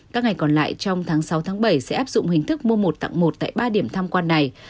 các ngày còn lại trong tháng sáu bảy sẽ áp dụng hình thức mua một tặng một tại ba điểm tham quan này